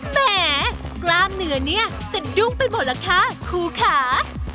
แหมกล้ามเนื้อเนี่ยสะดุ้งไปหมดล่ะค่ะครูค่ะ